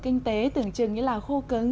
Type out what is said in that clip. kinh tế tưởng chừng nghĩa là khô cứng